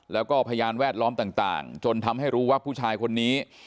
แล้วก็พยานแวดล้อมต่างจนทำให้รู้ว่าผู้ชายคนนี้